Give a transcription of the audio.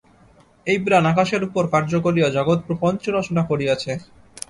এই প্রাণ আকাশের উপর কার্য করিয়া জগৎপ্রপঞ্চ রচনা করিয়াছে।